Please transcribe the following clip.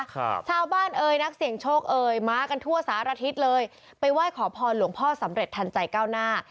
ชาวบ้านเอ่ยนักเสี่ยงโชคเอ่ยมากันทั่วสารทิศเลยไปไหว้ขอพรหลวงพ่อสำเร็จทันใจก้าวหน้า